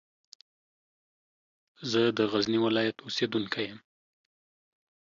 زه د غزني ولایت اوسېدونکی یم.